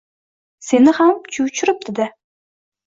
Seni ham chuv tushiribdi-da!